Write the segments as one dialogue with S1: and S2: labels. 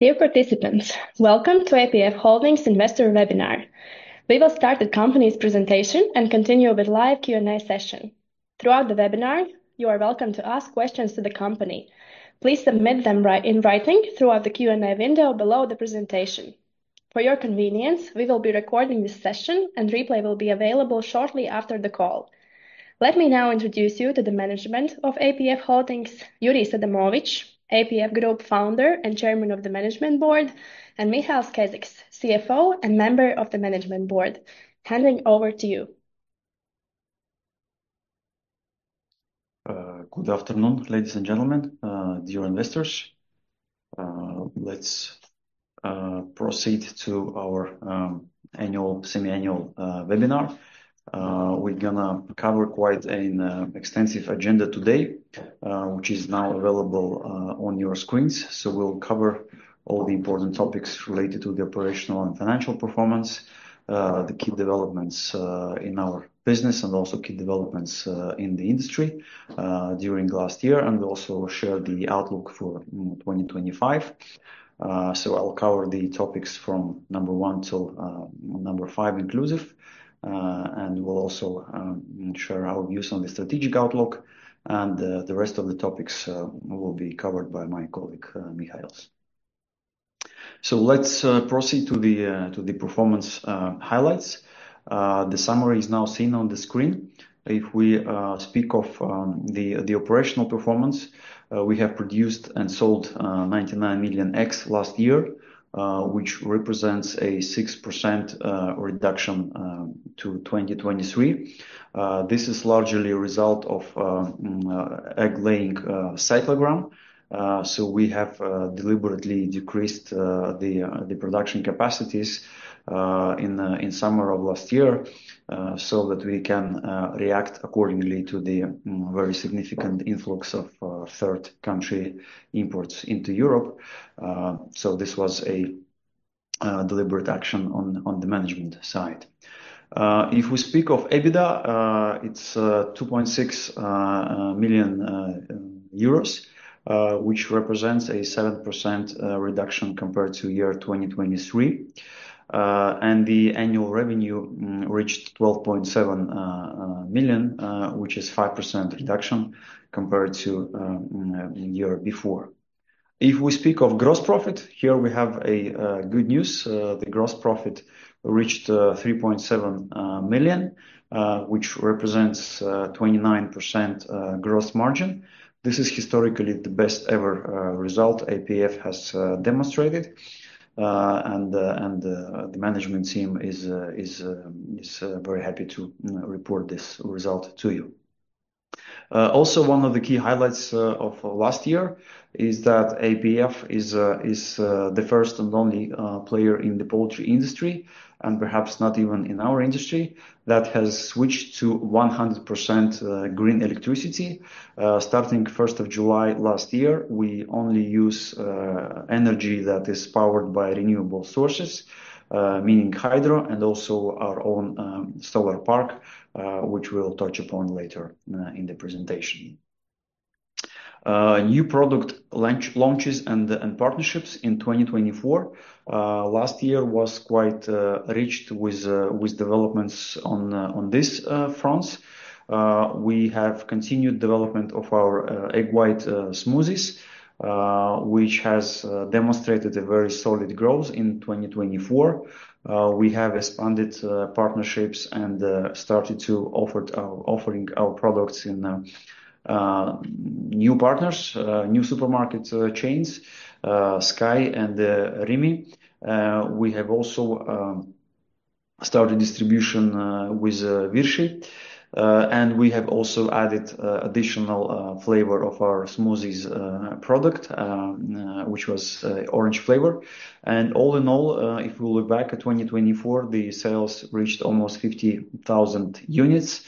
S1: Dear participants, Welcome to APF Holdings' Investor Webinar. We will start the company's presentation and continue with a live Q&A session. Throughout the webinar, you are welcome to ask questions to the company. Please submit them in writing throughout the Q&A window below the presentation. For your convenience, we will be recording this session, and the replay will be available shortly after the call. Let me now introduce you to the management of APF Holdings: Jurijs Adamovičs, APF Group founder and Chairman of the Management Board, and Mihails Ķeziks, CFO and Member of the Management Board. Handing over to you.
S2: Good afternoon, ladies and gentlemen, dear investors. Let's proceed to our Semi-Annual Webinar. We're going to cover quite an extensive agenda today, which is now available on your screens. We will cover all the important topics related to the operational and financial performance, the key developments in our business, and also key developments in the industry during last year. We will also share the outlook for 2025. I will cover the topics from number one to number five inclusive. We will also share our views on the strategic outlook. The rest of the topics will be covered by my colleague Mihails. Let's proceed to the performance highlights. The summary is now seen on the screen. If we speak of the operational performance, we have produced and sold 99 million eggs last year, which represents a 6% reduction to 2023. This is largely a result of egg-laying cyclogram. We have deliberately decreased the production capacities in the summer of last year so that we can react accordingly to the very significant influx of third-country imports into Europe. This was a deliberate action on the management side. If we speak of EBITDA, it is 2.6 million euros, which represents a 7% reduction compared to the year 2023. The annual revenue reached 12.7 million, which is a 5% reduction compared to the year before. If we speak of gross profit, here we have good news. The gross profit reached 3.7 million, which represents a 29% gross margin. This is historically the best-ever result APF has demonstrated. The management team is very happy to report this result to you. Also, one of the key highlights of last year is that APF is the first and only player in the poultry industry, and perhaps not even in our industry, that has switched to 100% green electricity. Starting 1st of July last year, we only use energy that is powered by renewable sources, meaning hydro and also our own solar park, which we will touch upon later in the presentation. New product launches and partnerships in 2024. Last year was quite rich with developments on this front. We have continued development of our egg white smoothies, which has demonstrated a very solid growth in 2024. We have expanded partnerships and started to offer our products to new partners, new supermarket chains, Sky and Rimi. We have also started distribution with Virši. We have also added an additional flavor of our smoothies product, which was orange flavor. All in all, if we look back at 2024, the sales reached almost 50,000 units,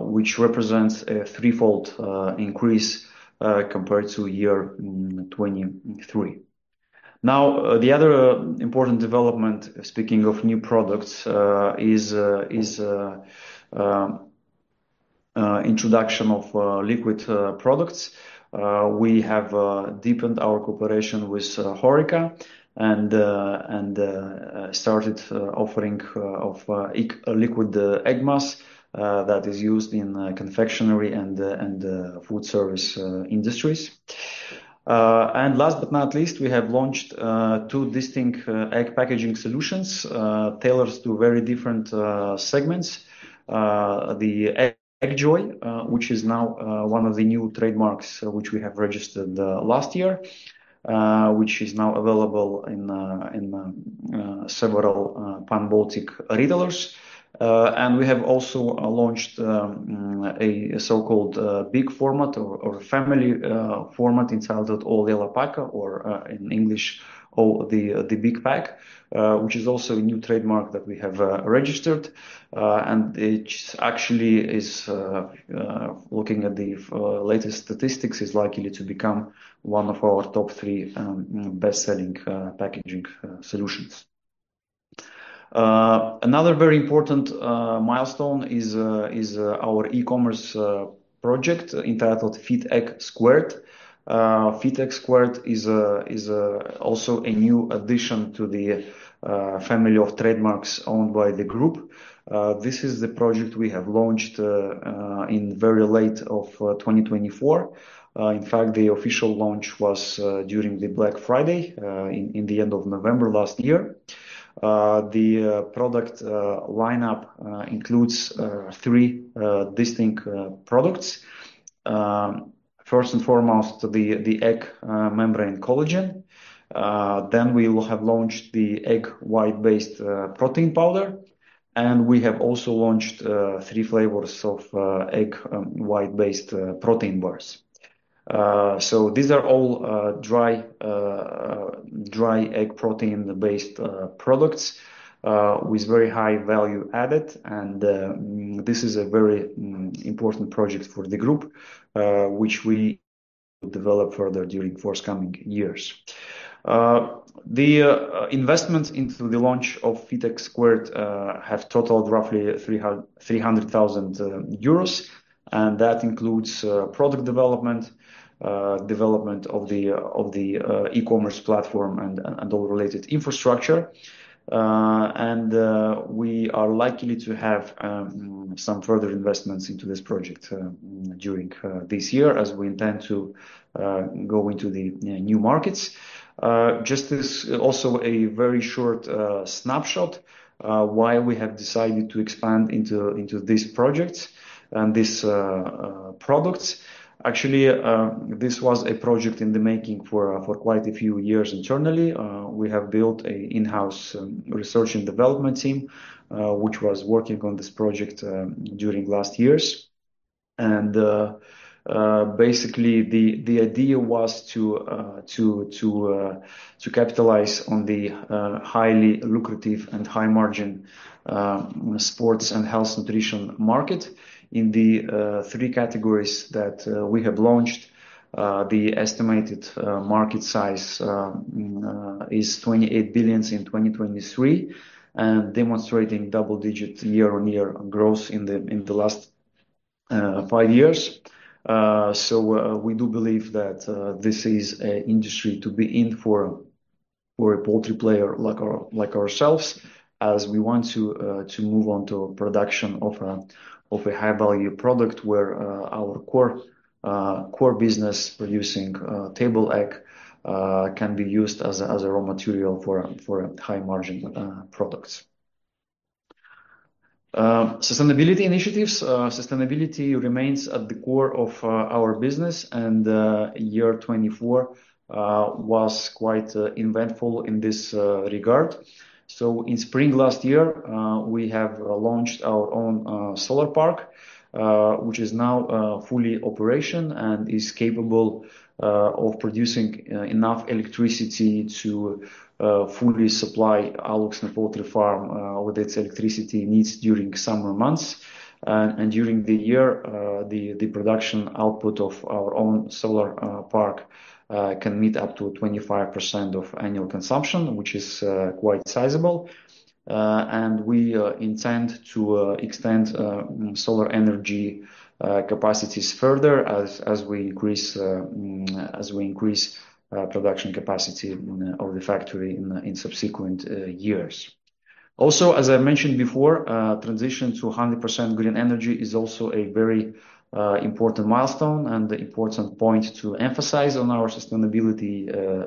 S2: which represents a threefold increase compared to year 2023. The other important development, speaking of new products, is the introduction of liquid products. We have deepened our cooperation with HoReCa and started offering liquid egg mass that is used in confectionery and food service industries. Last but not least, we have launched two distinct egg packaging solutions tailored to very different segments: the Eggjoy, which is now one of the new trademarks which we have registered last year, which is now available in several pan-Baltic retailers. We have also launched a so-called big format or family format inside of Olas Lielā Paka, or in English, The Big Pack, which is also a new trademark that we have registered. It actually is, looking at the latest statistics, likely to become one of our top three best-selling packaging solutions. Another very important milestone is our e-commerce project entitled Fiteeg². Fiteeg² is also a new addition to the family of trademarks owned by the group. This is the project we have launched in very late 2024. In fact, the official launch was during Black Friday in the end of November last year. The product lineup includes three distinct products. First and foremost, the egg membrane collagen. We will have launched the egg white-based protein powder. We have also launched three flavors of egg white-based protein bars. These are all dry egg protein-based products with very high value added. This is a very important project for the group, which we will develop further during forthcoming years. The investments into the launch of Fiteeg² have totaled roughly 300,000 euros. That includes product development, development of the e-commerce platform, and all related infrastructure. We are likely to have some further investments into this project during this year as we intend to go into the new markets. Just also a very short snapshot of why we have decided to expand into these projects and these products. Actually, this was a project in the making for quite a few years internally. We have built an in-house research and development team, which was working on this project during last years. Basically, the idea was to capitalize on the highly lucrative and high-margin sports and health nutrition market in the three categories that we have launched. The estimated market size is 28 billion in 2023 and demonstrating double-digit year-on-year growth in the last five years. We do believe that this is an industry to be in for a poultry player like ourselves, as we want to move on to production of a high-value product where our core business, producing table egg, can be used as a raw material for high-margin products. Sustainability initiatives. Sustainability remains at the core of our business. Year 2024 was quite eventful in this regard. In spring last year, we have launched our own solar park, which is now fully operational and is capable of producing enough electricity to fully supply Alūksne poultry farm with its electricity needs during summer months. During the year, the production output of our own solar park can meet up to 25% of annual consumption, which is quite sizable. We intend to extend solar energy capacities further as we increase production capacity of the factory in subsequent years. Also, as I mentioned before, transition to 100% green energy is also a very important milestone and an important point to emphasize on our sustainability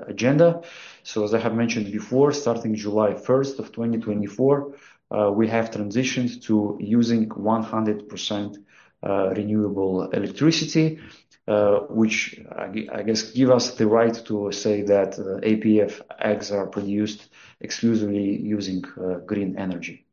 S2: agenda. As I have mentioned before, starting July 1st of 2024, we have transitioned to using 100% renewable electricity, which, I guess, gives us the right to say that APF eggs are produced exclusively using green energy.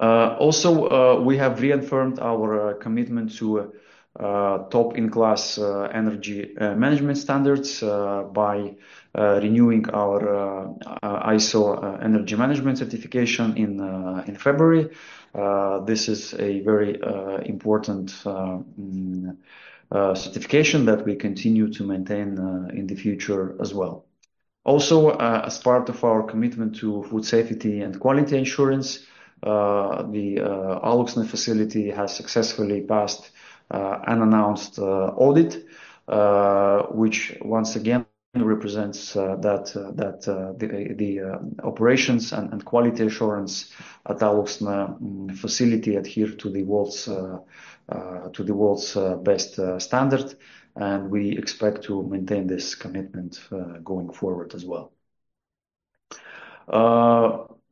S2: Also, we have reaffirmed our commitment to top-in-class energy management standards by renewing our ISO energy management certification in February. This is a very important certification that we continue to maintain in the future as well. Also, as part of our commitment to food safety and quality assurance, the Alūksne facility has successfully passed an announced audit, which once again represents that the operations and quality assurance at Alūksne facility adhere to the world's best standard. We expect to maintain this commitment going forward as well.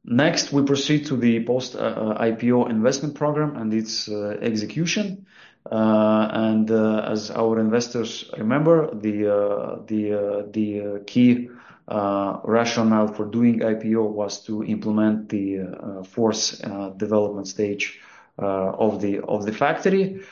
S2: Next, we proceed to the post-IPO investment program and its execution. As our investors remember, the key rationale for doing IPO was to implement the fourth development stage of the factory,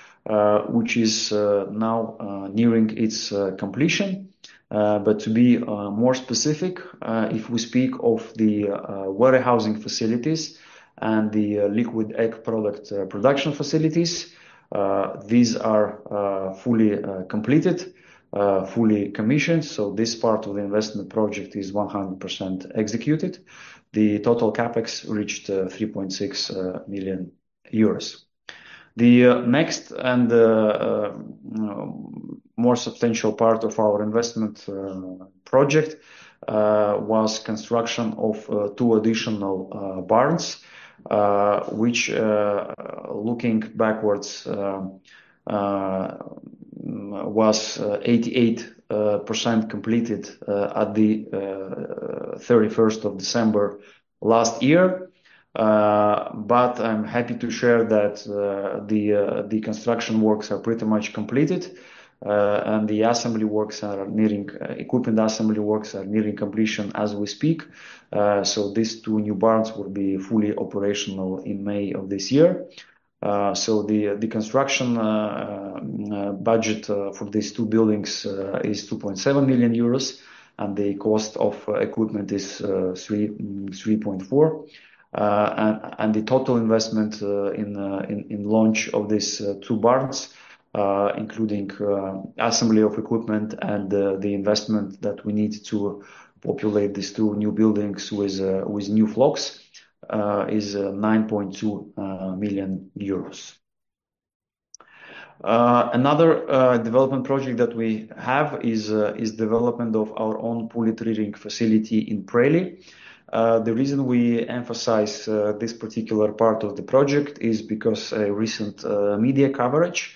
S2: which is now nearing its completion. To be more specific, if we speak of the warehousing facilities and the liquid egg product production facilities, these are fully completed, fully commissioned. This part of the investment project is 100% executed. The total CapEx reached 3.6 million euros. The next and more substantial part of our investment project was construction of two additional barns, which, looking backwards, was 88% completed at the 31st of December last year. I am happy to share that the construction works are pretty much completed. The equipment assembly works are nearing completion as we speak. These two new barns will be fully operational in May of this year. The construction budget for these two buildings is 2.7 million euros. The cost of equipment is 3.4 million. The total investment in launch of these two barns, including assembly of equipment and the investment that we need to populate these two new buildings with new flocks, is 9.2 million euros. Another development project that we have is the development of our own poultry rearing facility in Preiļi. The reason we emphasize this particular part of the project is because of recent media coverage,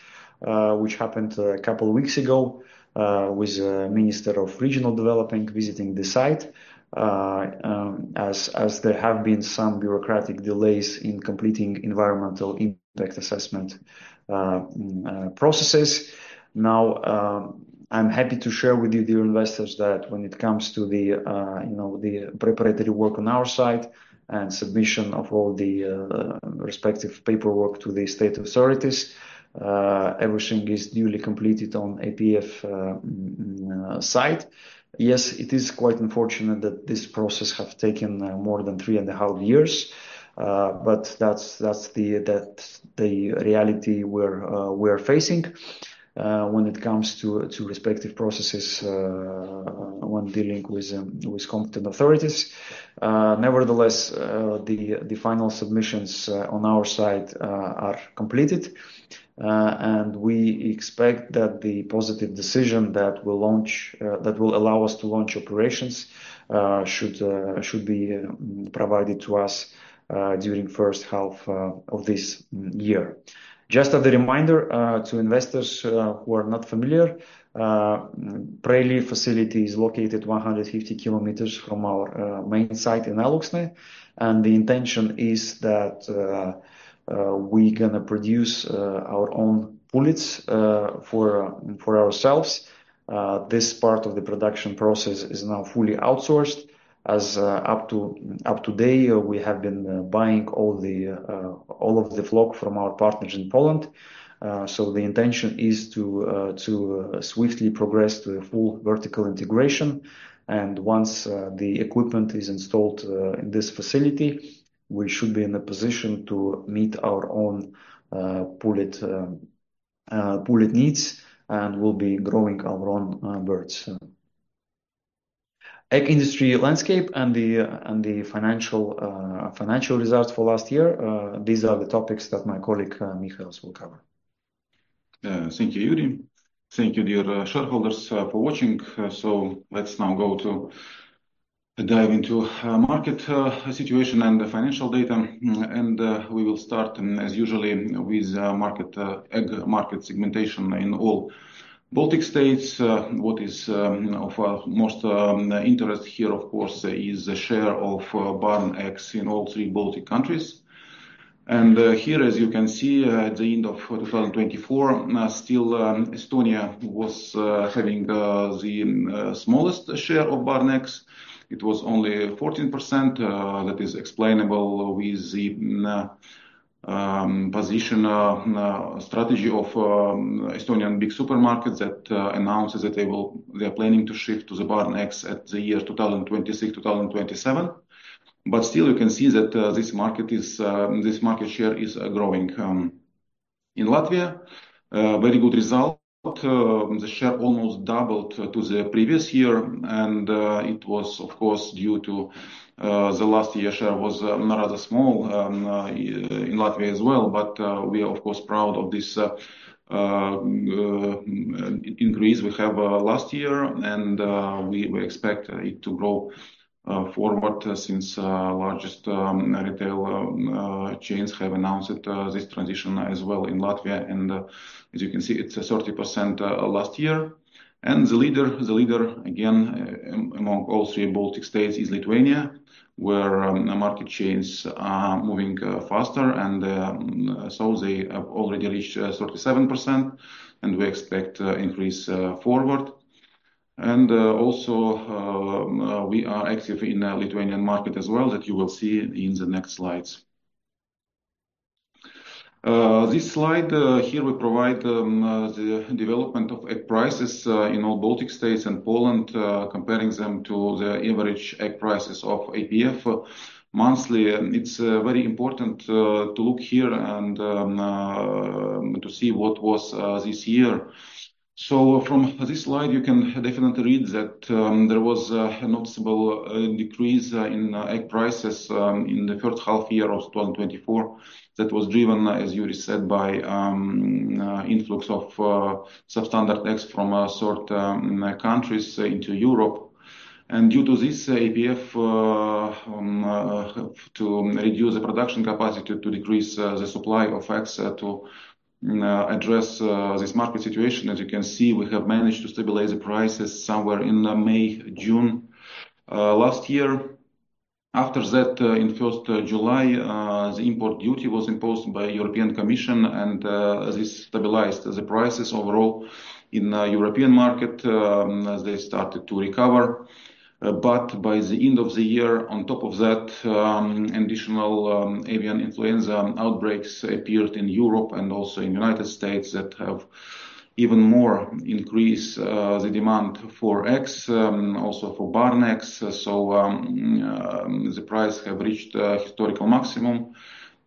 S2: which happened a couple of weeks ago with the Minister of Regional Development visiting the site, as there have been some bureaucratic delays in completing environmental impact assessment processes. Now, I'm happy to share with you, dear investors, that when it comes to the preparatory work on our side and submission of all the respective paperwork to the state authorities, everything is duly completed on APF site. Yes, it is quite unfortunate that this process has taken more than three and a half years. That is the reality we're facing when it comes to respective processes when dealing with competent authorities. Nevertheless, the final submissions on our side are completed. We expect that the positive decision that will allow us to launch operations should be provided to us during the first half of this year. Just as a reminder to investors who are not familiar, Preiļi facility is located 150 km from our main site in Alūksne. The intention is that we're going to produce our own pullets for ourselves. This part of the production process is now fully outsourced. As of today, we have been buying all of the flock from our partners in Poland. The intention is to swiftly progress to a full vertical integration. Once the equipment is installed in this facility, we should be in a position to meet our own pullet needs and will be growing our own birds. Egg industry landscape and the financial results for last year, these are the topics that my colleague Mihails will cover.
S3: Thank you, Yuri. Thank you, dear shareholders, for watching. Let's now go to dive into market situation and financial data. We will start, as usual, with market segmentation in all Baltic states. What is of most interest here, of course, is the share of barn eggs in all three Baltic countries. Here, as you can see, at the end of 2024, still Estonia was having the smallest share of barn eggs. It was only 14%. That is explainable with the position strategy of Estonian big supermarkets that announced that they are planning to shift to the barn eggs at the year 2026-2027. Still, you can see that this market share is growing in Latvia. Very good result. The share almost doubled to the previous year. It was, of course, due to the last year's share being rather small in Latvia as well. We are, of course, proud of this increase we had last year. We expect it to grow forward since the largest retail chains have announced this transition as well in Latvia. As you can see, it is 30% last year. The leader, again, among all three Baltic states, is Lithuania, where market chains are moving faster. They have already reached 37%, and we expect increase forward. Also, we are active in the Lithuanian market as well that you will see in the next slides. This slide here will provide the development of egg prices in all Baltic states and Poland, comparing them to the average egg prices of APF monthly. It is very important to look here and to see what was this year. From this slide, you can definitely read that there was a noticeable decrease in egg prices in the first half year of 2024. That was driven, as Jurijs said, by the influx of substandard eggs from certain countries into Europe. Due to this, APF, to reduce the production capacity, to decrease the supply of eggs to address this market situation, as you can see, we have managed to stabilize the prices somewhere in May, June last year. After that, in first July, the import duty was imposed by the European Commission. This stabilized the prices overall in the European market as they started to recover. By the end of the year, on top of that, additional avian influenza outbreaks appeared in Europe and also in the United States that have even more increased the demand for eggs, also for barn eggs. The price has reached a historical maximum.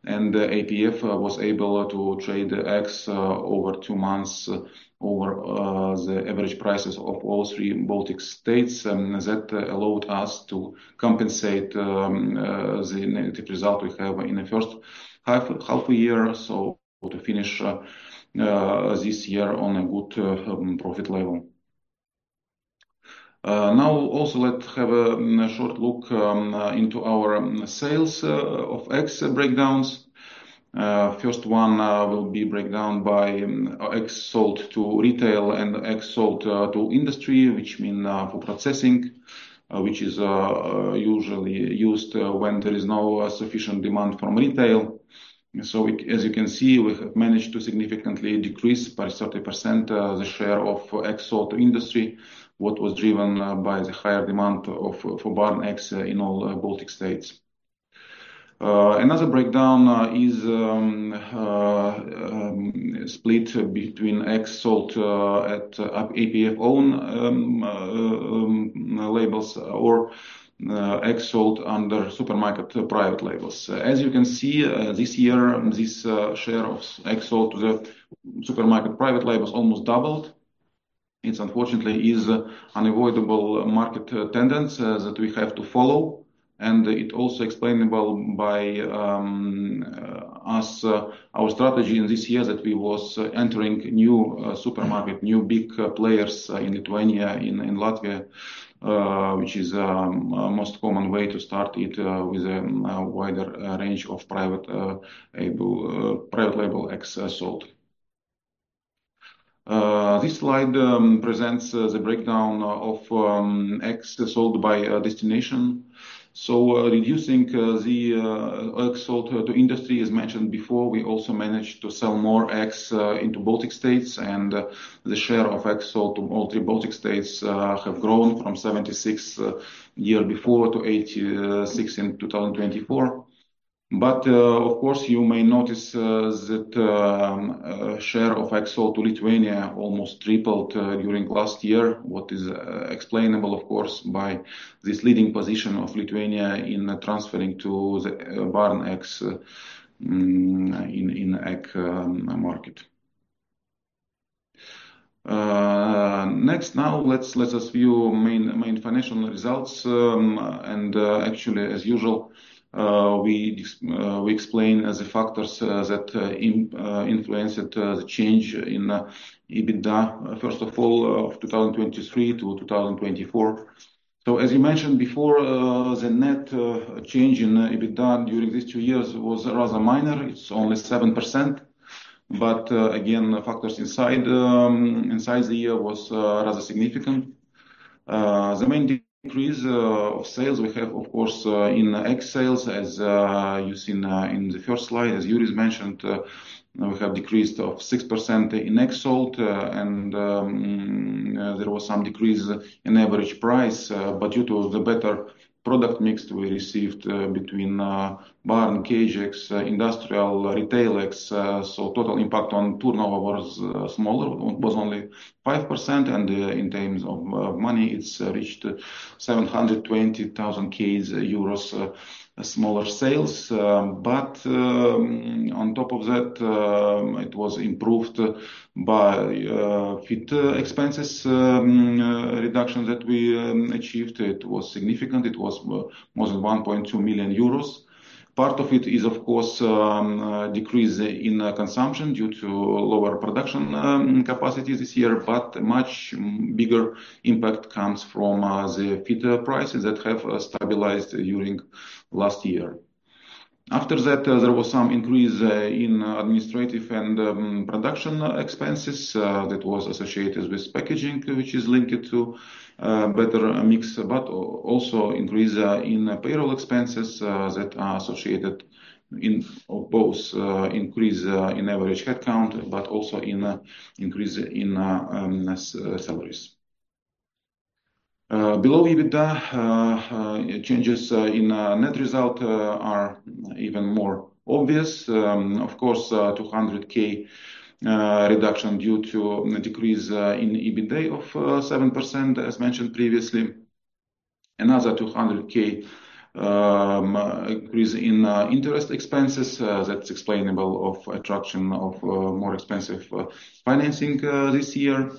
S3: APF was able to trade the eggs over two months over the average prices of all three Baltic states. That allowed us to compensate the negative result we have in the first half year, to finish this year on a good profit level. Now, also, let's have a short look into our sales of eggs breakdowns. The first one will be breakdown by eggs sold to retail and eggs sold to industry, which means for processing, which is usually used when there is no sufficient demand from retail. As you can see, we have managed to significantly decrease by 30% the share of eggs sold to industry, which was driven by the higher demand for barn eggs in all Baltic states. Another breakdown is split between eggs sold at APF-owned labels or eggs sold under supermarket private labels. As you can see, this year, this share of eggs sold to the supermarket private labels almost doubled. It unfortunately is an unavoidable market tendency that we have to follow. It is also explainable by our strategy in this year that we were entering new supermarkets, new big players in Lithuania, in Latvia, which is the most common way to start it with a wider range of private label eggs sold. This slide presents the breakdown of eggs sold by destination. Reducing the eggs sold to industry, as mentioned before, we also managed to sell more eggs into Baltic states. The share of eggs sold to all three Baltic states has grown from 76% the year before to 86% in 2024. You may notice that the share of eggs sold to Lithuania almost tripled during last year, which is explainable, of course, by this leading position of Lithuania in transferring to the barn eggs in the egg market. Next, now, let's just view main financial results. Actually, as usual, we explain the factors that influenced the change in EBITDA, first of all, of 2023 to 2024. As you mentioned before, the net change in EBITDA during these two years was rather minor. It's only 7%. Again, factors inside the year were rather significant. The main decrease of sales we have, of course, in egg sales, as you've seen in the first slide, as Jurijs mentioned, we have decrease of 6% in eggs sold. There was some decrease in average price. Due to the better product mix we received between barn, cage eggs, industrial retail eggs, total impact on turnover was smaller, was only 5%.In terms of money, it reached 720,000 euros smaller sales. On top of that, it was improved by feed expenses reduction that we achieved. It was significant. It was more than 1.2 million euros. Part of it is, of course, a decrease in consumption due to lower production capacity this year. A much bigger impact comes from the feed prices that have stabilized during last year. After that, there was some increase in administrative and production expenses that were associated with packaging, which is linked to better mix, but also increase in payroll expenses that are associated in both increase in average headcount, but also in increase in salaries. Below EBITDA, changes in net result are even more obvious. Of course, 200,000 reduction due to decrease in EBITDA of 7%, as mentioned previously. Another 200,000 increase in interest expenses. That is explainable of attraction of more expensive financing this year.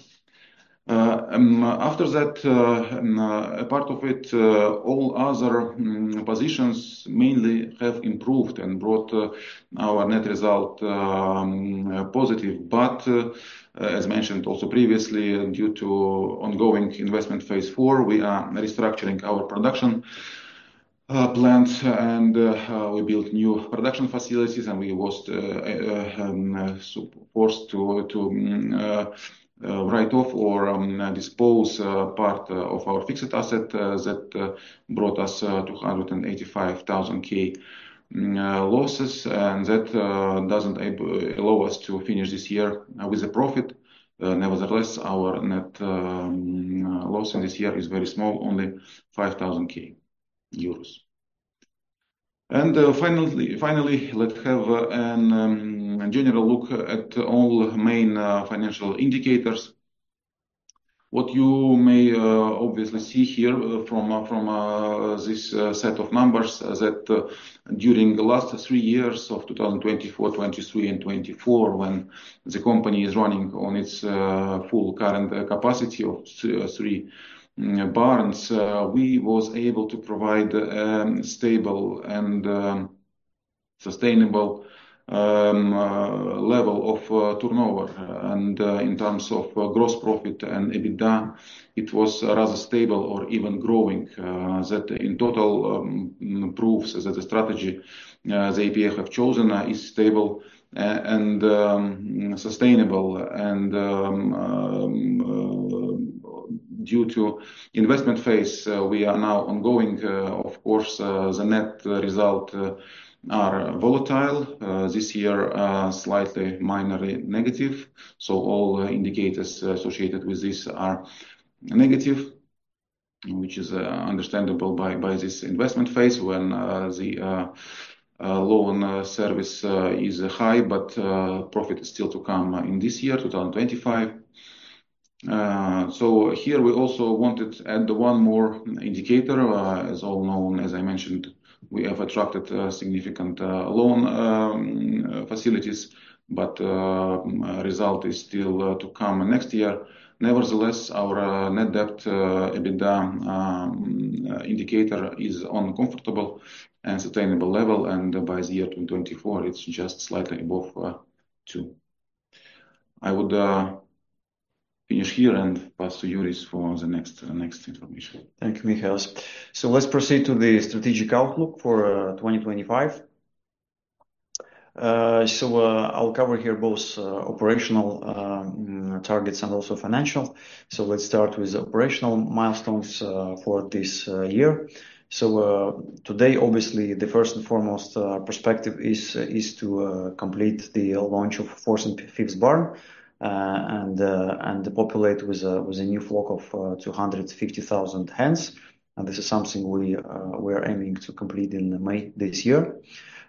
S3: After that, part of it, all other positions mainly have improved and brought our net result positive. As mentioned also previously, due to ongoing investment phase four, we are restructuring our production plans. We built new production facilities, and we were forced to write off or dispose of part of our fixed asset that brought us 285,000 losses. That does not allow us to finish this year with a profit. Nevertheless, our net loss in this year is very small, only 5,000 euros. Finally, let's have a general look at all main financial indicators. What you may obviously see here from this set of numbers is that during the last three years of 2022, 2023, and 2024, when the company is running on its full current capacity of three barns, we were able to provide a stable and sustainable level of turnover. In terms of gross profit and EBITDA, it was rather stable or even growing. That in total proves that the strategy that APF have chosen is stable and sustainable. Due to the investment phase, we are now ongoing. Of course, the net result is volatile. This year, slightly minor negative. All indicators associated with this are negative, which is understandable by this investment phase when the loan service is high, but profit is still to come in this year, 2025. Here, we also wanted to add one more indicator. As all know, as I mentioned, we have attracted significant loan facilities, but the result is still to come next year. Nevertheless, our net debt EBITDA indicator is on a comfortable and sustainable level. By the year 2024, it is just slightly above two. I would finish here and pass to Jurijs for the next information.
S2: Thank you, Mihails. Let's proceed to the strategic outlook for 2025. I'll cover here both operational targets and also financial. Let's start with operational milestones for this year. Today, obviously, the first and foremost perspective is to complete the launch of the fourth fixed barn and populate with a new flock of 250,000 hens. This is something we are aiming to complete in May this year.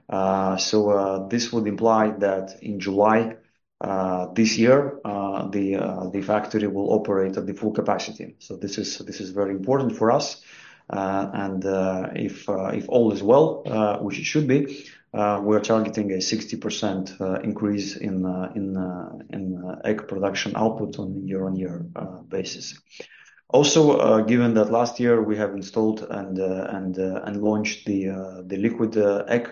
S2: This would imply that in July this year, the factory will operate at full capacity. This is very important for us. If all is well, which it should be, we are targeting a 60% increase in egg production output on a year-on-year basis. Also, given that last year, we have installed and launched the liquid egg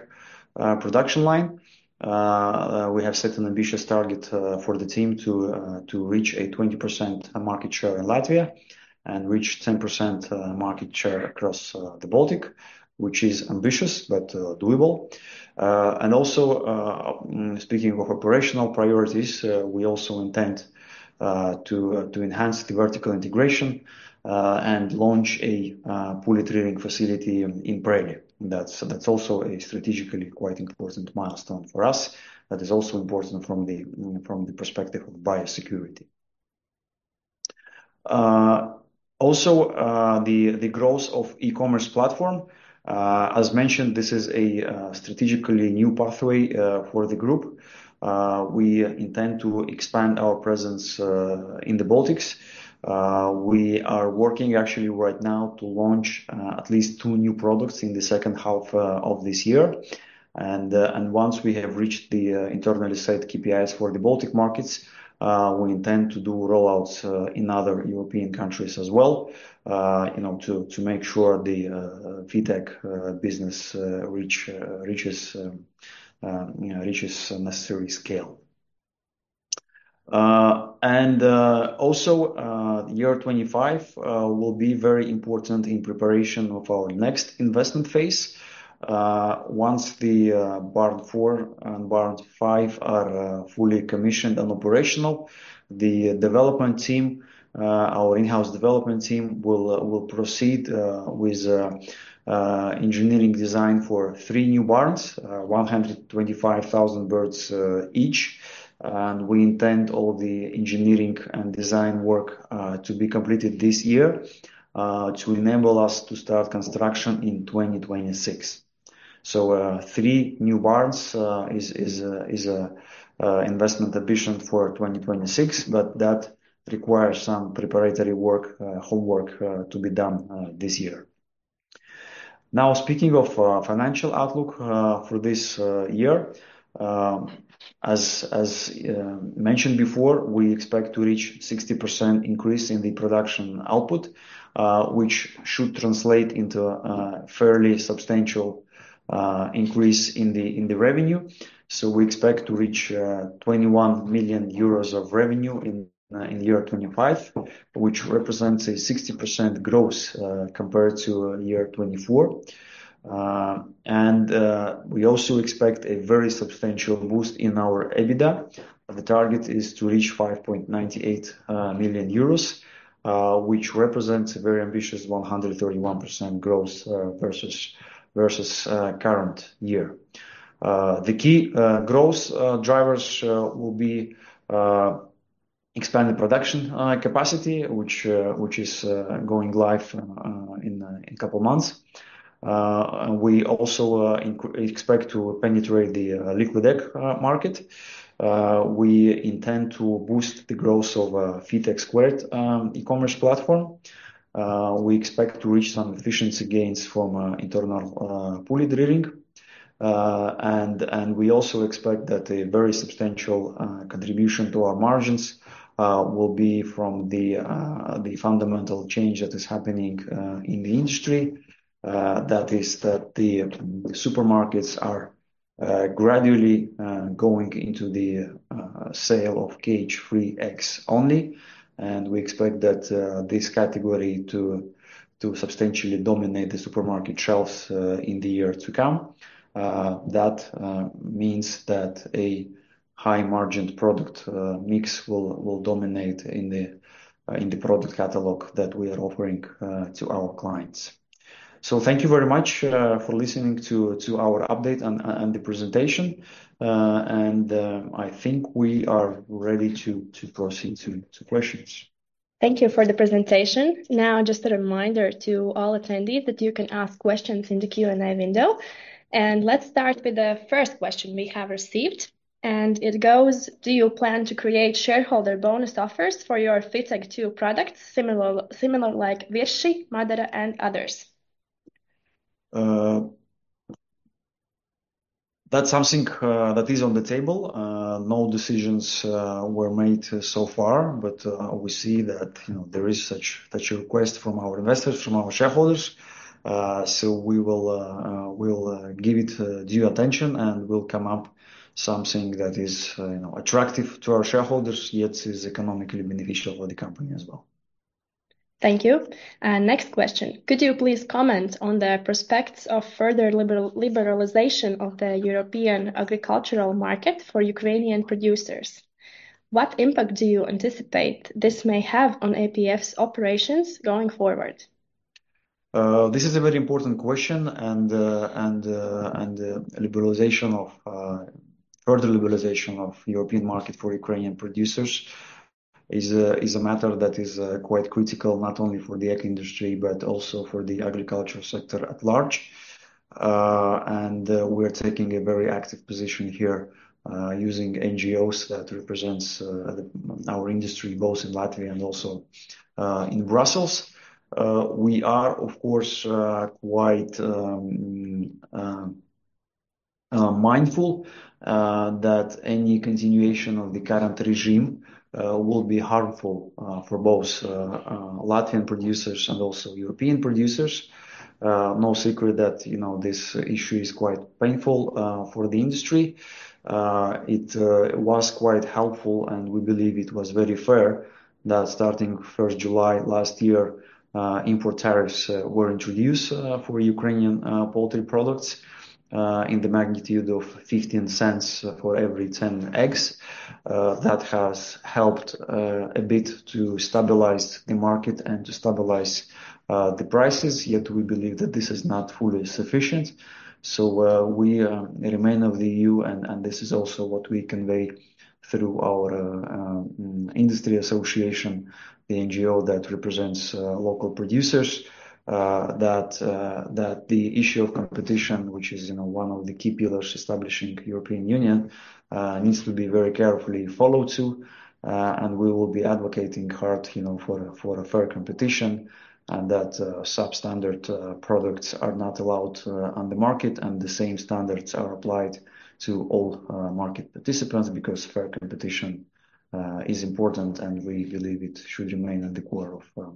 S2: production line, we have set an ambitious target for the team to reach a 20% market share in Latvia and reach 10% market share across the Baltic, which is ambitious but doable. Also, speaking of operational priorities, we also intend to enhance the vertical integration and launch a pullet rearing facility in Preiļi. That is also a strategically quite important milestone for us. That is also important from the perspective of biosecurity. Also, the growth of e-commerce platform. As mentioned, this is a strategically new pathway for the group. We intend to expand our presence in the Baltics. We are working actually right now to launch at least two new products in the second half of this year. Once we have reached the internal estate KPIs for the Baltic markets, we intend to do rollouts in other European countries as well to make sure the Fiteeg² business reaches necessary scale. Year 2025 will be very important in preparation of our next investment phase. Once the barn four and barn five are fully commissioned and operational, the development team, our in-house development team, will proceed with engineering design for three new barns, 125,000 birds each. We intend all the engineering and design work to be completed this year to enable us to start construction in 2026. Three new barns is an investment ambition for 2026, but that requires some preparatory work, homework to be done this year. Now, speaking of financial outlook for this year, as mentioned before, we expect to reach a 60% increase in the production output, which should translate into a fairly substantial increase in the revenue. We expect to reach 21 million euros of revenue in year 2025, which represents a 60% growth compared to year 2024. We also expect a very substantial boost in our EBITDA. The target is to reach 5.98 million euros, which represents a very ambitious 131% growth versus current year. The key growth drivers will be expanded production capacity, which is going live in a couple of months. We also expect to penetrate the liquid egg market. We intend to boost the growth of a Fiteeg² e-commerce platform. We expect to reach some efficiency gains from internal pullet rearing. We also expect that a very substantial contribution to our margins will be from the fundamental change that is happening in the industry. That is that the supermarkets are gradually going into the sale of cage-free eggs only. We expect that this category to substantially dominate the supermarket shelves in the year to come. That means that a high-margin product mix will dominate in the product catalog that we are offering to our clients. Thank you very much for listening to our update and the presentation. I think we are ready to proceed to questions.
S1: Thank you for the presentation. Now, just a reminder to all attendees that you can ask questions in the Q&A window. Let's start with the first question we have received. It goes, do you plan to create shareholder bonus offers for your Fiteeg² products, similar like Virši, Madara, and others?
S2: That is something that is on the table. No decisions were made so far, but we see that there is such a request from our investors, from our shareholders. We will give it due attention, and we will come up with something that is attractive to our shareholders, yet is economically beneficial for the company as well. Thank you. Next question.
S1: Could you please comment on the prospects of further liberalization of the European agricultural market for Ukrainian producers? What impact do you anticipate this may have on APF's operations going forward?
S2: This is a very important question. Liberalization of further liberalization of the European market for Ukrainian producers is a matter that is quite critical not only for the egg industry, but also for the agriculture sector at large. We are taking a very active position here using NGOs that represent our industry both in Latvia and also in Brussels. We are, of course, quite mindful that any continuation of the current regime will be harmful for both Latvian producers and also European producers. No secret that this issue is quite painful for the industry. It was quite helpful, and we believe it was very fair that starting 1 July last year, import tariffs were introduced for Ukrainian poultry products in the magnitude of 0.15 for every 10 eggs. That has helped a bit to stabilize the market and to stabilize the prices. Yet we believe that this is not fully sufficient. We remain of the EU, and this is also what we convey through our industry association, the NGO that represents local producers, that the issue of competition, which is one of the key pillars establishing the European Union, needs to be very carefully followed to. We will be advocating hard for a fair competition and that substandard products are not allowed on the market. The same standards are applied to all market participants because fair competition is important, and we believe it should remain at the core of the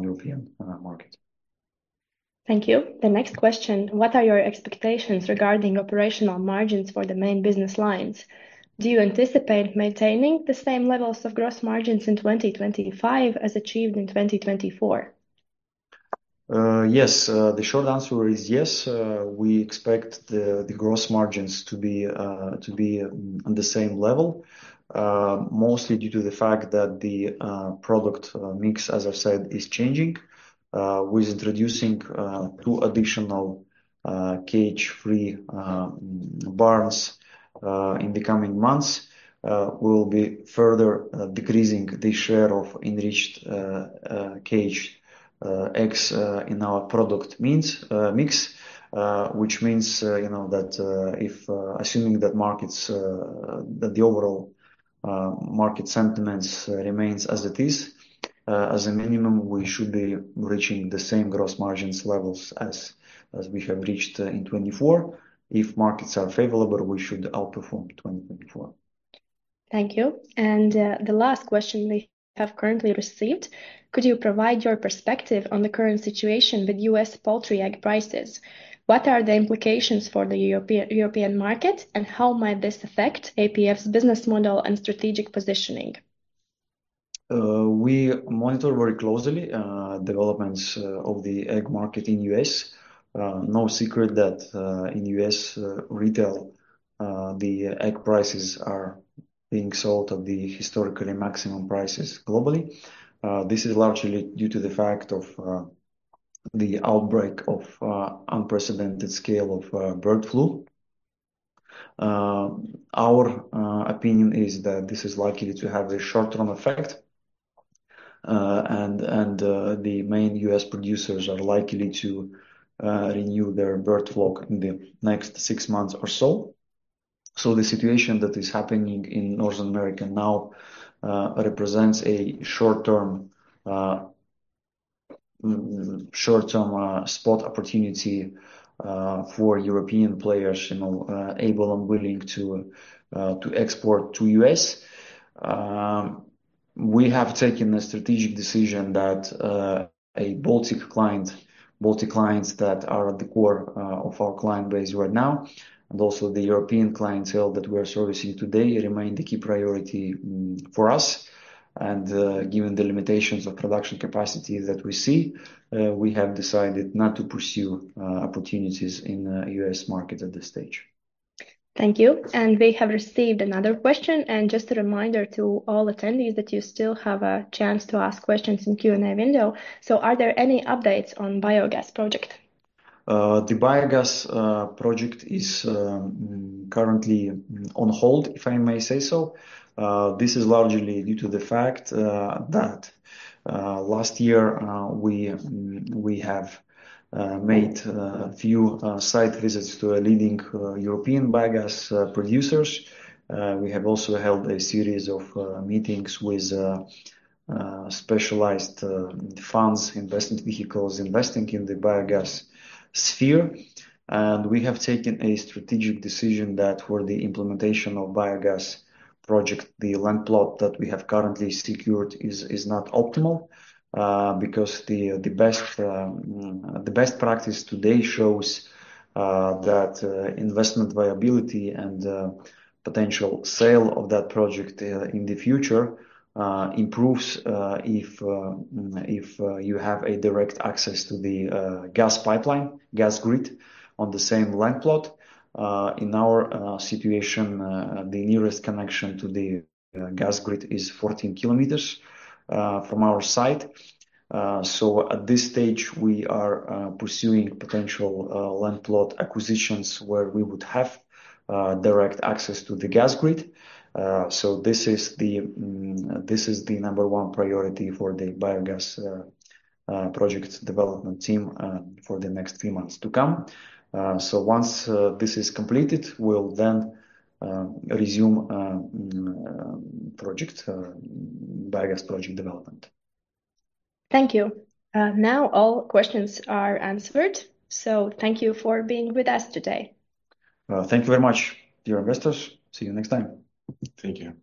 S2: European market. Thank you. The next question.
S1: What are your expectations regarding operational margins for the main business lines? Do you anticipate maintaining the same levels of gross margins in 2025 as achieved in 2024? Yes. The short answer is yes. We expect the gross margins to be on the same level, mostly due to the fact that the product mix, as I said, is changing. With introducing two additional cage-free barns in the coming months, we will be further decreasing the share of enriched cage eggs in our product mix, which means that if assuming that the overall market sentiment remains as it is, as a minimum, we should be reaching the same gross margins levels as we have reached in 2024. If markets are favorable, we should outperform 2024. Thank you. The last question we have currently received. Could you provide your perspective on the current situation with U.S. poultry egg prices? What are the implications for the European market, and how might this affect APF's business model and strategic positioning?
S2: We monitor very closely developments of the egg market in the U.S. No secret that in the U.S., retail, the egg prices are being sold at the historically maximum prices globally. This is largely due to the fact of the outbreak of unprecedented scale of avian influenza. Our opinion is that this is likely to have a short-term effect, and the main U.S. producers are likely to renew their bird flock in the next six months or so. The situation that is happening in North America now represents a short-term spot opportunity for European players able and willing to export to the U.S. We have taken a strategic decision that a Baltic client, Baltic clients that are at the core of our client base right now, and also the European clientele that we are servicing today remain the key priority for us. Given the limitations of production capacity that we see, we have decided not to pursue opportunities in the U.S. market at this stage.
S1: Thank you. We have received another question. Just a reminder to all attendees that you still have a chance to ask questions in the Q&A window. Are there any updates on the biogas project?
S2: The biogas project is currently on hold, if I may say so. This is largely due to the fact that last year we have made a few site visits to leading European biogas producers. We have also held a series of meetings with specialized funds, investment vehicles, investing in the biogas sphere. We have taken a strategic decision that for the implementation of the biogas project, the land plot that we have currently secured is not optimal because the best practice today shows that investment viability and potential sale of that project in the future improves if you have direct access to the gas pipeline, gas grid on the same land plot. In our situation, the nearest connection to the gas grid is 14 km from our site. At this stage, we are pursuing potential land plot acquisitions where we would have direct access to the gas grid. This is the number one priority for the biogas project development team for the next few months to come. Once this is completed, we'll then resume the project, biogas project development.
S1: Thank you. Now all questions are answered. Thank you for being with us today.
S2: Thank you very much, dear investors. See you next time. Thank you.